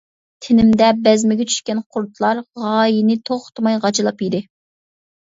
تېنىمدە بەزمىگە چۈشكەن قۇرۇتلار، غايىنى توختىماي غاجىلاپ يېدى.